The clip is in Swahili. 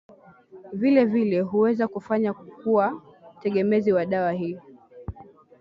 vilevile huweza kufanya kuwa tegemezi wa dawa hii